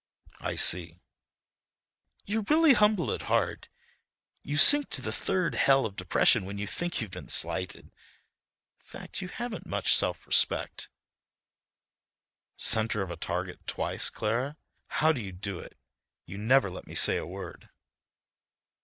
"I see." "You're really humble at heart. You sink to the third hell of depression when you think you've been slighted. In fact, you haven't much self respect." "Centre of target twice, Clara. How do you do it? You never let me say a word."